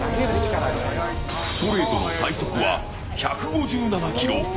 ストレートの最速は１５７キロ。